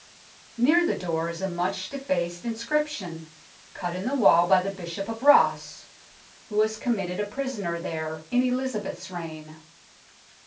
Near the door is a much defaced inscription, cut in the wall by the Bishop of Ross, who was committed a prisoner there in Elizabeth's reign.